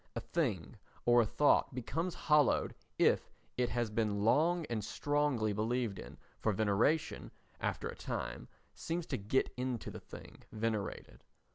A thing or a thought becomes hallowed if it has been long and strongly believed in, for veneration, after a time, seems to get into the thing venerated.